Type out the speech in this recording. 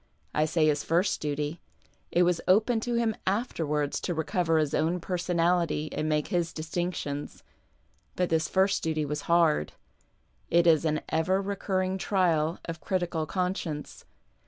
I say his first duty ; it was open to him afterwards to recover his own personality and make his distinctions. But tliis first duty was hard. It is an ever recurring trial of critical conscience.